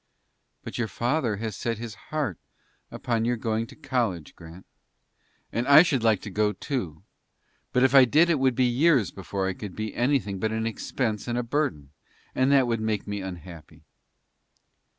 "But your father has set his heart upon your going to college, Grant." "And I should like to go, too; but if I did it would be years before I could be anything but an expense and a burden, and that would make me unhappy."